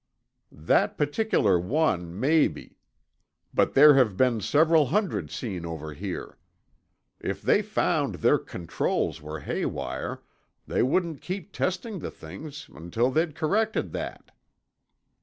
"That particular one, maybe. But there have been several hundred seen over here. If they found their controls were haywire, they wouldn't keep testing the things until they'd corrected that."